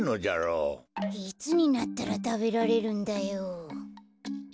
いつになったらたべられるんだよ。